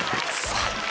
最高！